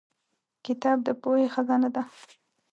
کتاب د پوهې خزانه ده.